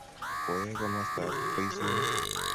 koyae komostab boisionik